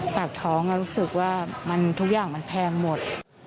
ปากท้องเรารู้สึกว่าทุกอย่างมันแพงหมด